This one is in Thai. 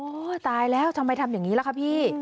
ตายแล้วทำไมทำอย่างนี้ล่ะคะพี่